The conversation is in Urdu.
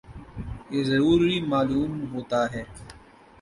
یہ ضروری معلوم ہوتا ہے